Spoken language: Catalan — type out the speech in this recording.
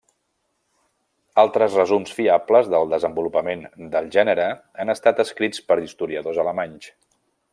Altres resums fiables del desenvolupament del gènere han estat escrits per historiadors alemanys.